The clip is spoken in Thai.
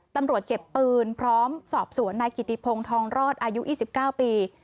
ตำรวจเก็บปืนพร้อมสอบสวนนายกิติพงศ์ทองรอดอายุ๒๙ปี